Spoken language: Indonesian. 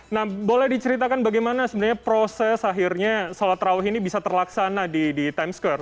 nah boleh diceritakan bagaimana sebenarnya proses akhirnya sholat rawih ini bisa terlaksana di times square